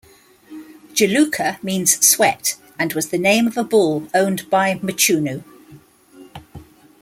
Juluka means "sweat", and was the name of a bull owned by Mchunu.